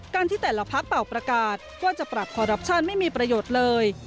ที่แต่ละพักเป่าประกาศว่าจะปรับคอรัปชั่นไม่มีประโยชน์เลย